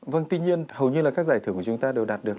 vâng tuy nhiên hầu như là các giải thưởng của chúng ta đều đạt được